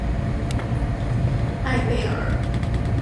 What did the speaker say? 艾贝尔。